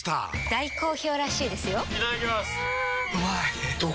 大好評らしいですよんうまい！